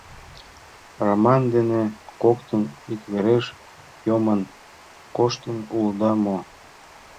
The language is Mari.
Раман дене коктын иквереш йомын коштын улыда мо?..